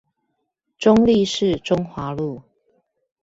中壢市中華路